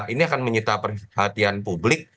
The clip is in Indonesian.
ini akan menyita perhatian publik